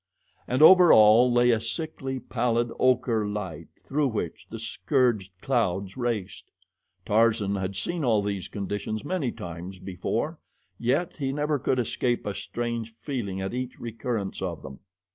And over all lay a sickly, pallid ocher light through which the scourged clouds raced. Tarzan had seen all these conditions many times before, yet he never could escape a strange feeling at each recurrence of them.